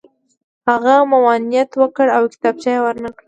هغه ممانعت وکړ او کتابچه یې ور نه کړه